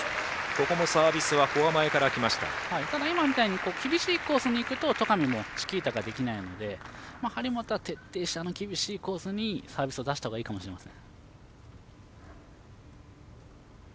今みたいに厳しいコースにいくと戸上もチキータができないので張本は徹底して厳しいコースにサービスを出した方がいいかもしれません。